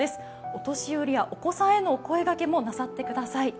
お年寄りやお子さんへの声がけもなさってください。